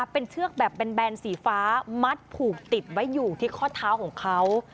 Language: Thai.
เป็นเชือกแบบแบนสีฟ้ามัดผูกติดไว้อยู่ที่ข้อเท้าของเขา